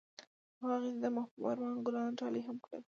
هغه هغې ته د محبوب آرمان ګلان ډالۍ هم کړل.